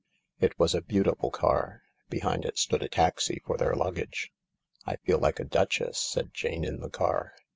J It was a beautiful car. Behind it stood a taxi for their luggage. " I feel like a duchess," said Jane in the car.